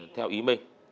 theo ý mình